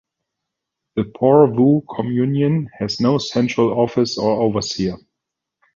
The Porvoo Communion has no central office or overseer.